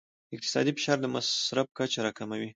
اقتصادي فشار د مصرف کچه راکموي.